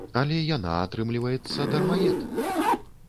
Але яна, атрымліваецца, дармаед.